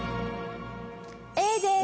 Ａです！